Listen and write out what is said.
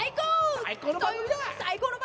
最高！